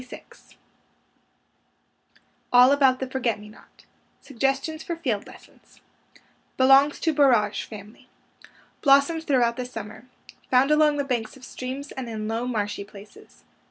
92 ALL ABOUT THE FORGET ME NOT SUGGESTIONS FOR FIELD LESSONS Belongs to borage family. Blossoms throughout the summer. Found along the banks of streams and in low, marshy places.